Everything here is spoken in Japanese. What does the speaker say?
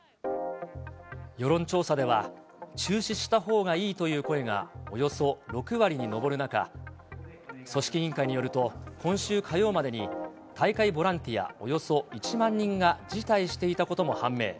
世論調査では、中止したほうがいいという声がおよそ６割に上る中、組織委員会によると、今週火曜までに、大会ボランティアおよそ１万人が辞退していたことも判明。